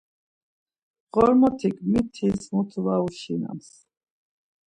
Ğormotik mitis mutu var uşinams.